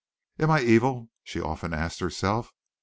"Am I evil?" she often asked herself.